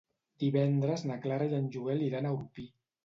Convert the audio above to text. Divendres na Clara i en Joel iran a Orpí.